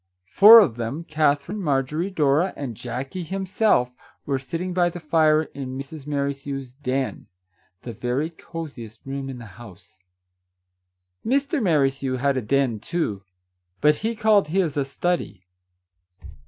Four of them — Kather ine, Marjorie, Dora, and Jackie himself — were sitting by the fire in Mrs. Merrithew's " Den," the very cosiest room in the house. Mr. Merrithew had a den, too, but he called his a study.